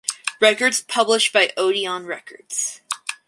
Records published by Odeon Records.